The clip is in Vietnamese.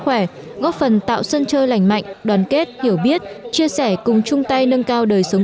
khỏe góp phần tạo sân chơi lành mạnh đoàn kết hiểu biết chia sẻ cùng chung tay nâng cao đời sống